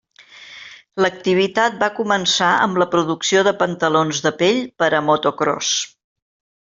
L'activitat va començar amb la producció de pantalons de pell per a motocròs.